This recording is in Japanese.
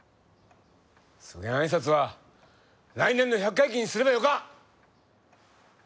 そぎゃん挨拶は来年の百回忌にすればよか！